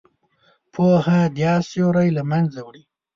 پوهه دا سیوری له منځه وړي.